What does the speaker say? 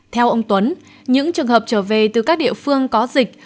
theo ông tuấn những trường hợp trở về từ các địa phương có dịch